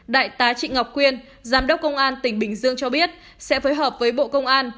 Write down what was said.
đại tá trị ngọc quyên giám đốc công an tỉnh bình dương cho biết sẽ phối hợp với bộ công an